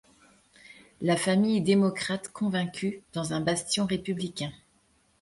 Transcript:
La famille est démocrate convaincue, dans un bastion républicain.